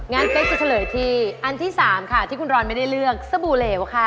งั้นเป๊กจะเฉลยที่อันที่๓ค่ะที่คุณรอนไม่ได้เลือกสบู่เหลวค่ะ